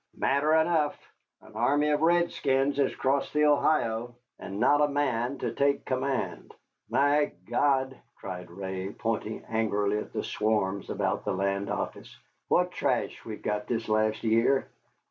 "Matter enough! An army of redskins has crossed the Ohio, and not a man to take command. My God," cried Ray, pointing angrily at the swarms about the land office, "what trash we have got this last year!